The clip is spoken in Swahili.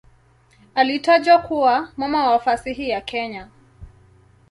Alitajwa kuwa "mama wa fasihi ya Kenya".